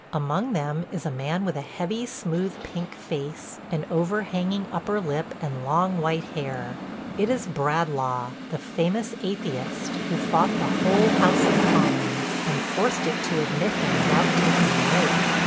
Among them is a man with a heavy, smooth, pink face, an overhanging upper lip and long white hair. It is Bradlaugh, the famous atheist, who fought the whole House of Commons, and forced it to admit him without taking the oath.